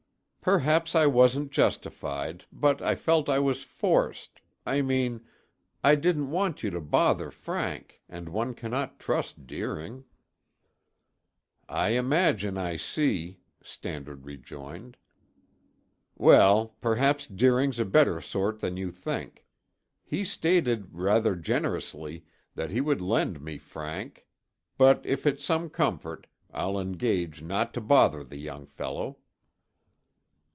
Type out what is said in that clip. "Perhaps I wasn't justified, but I felt I was forced I mean, I didn't want you to bother Frank, and one cannot trust Deering." "I imagine I see," Stannard rejoined. "Well, perhaps Deering's a better sort than you think. He stated, rather generously, that he would lend me Frank, but if it's some comfort, I'll engage not to bother the young fellow."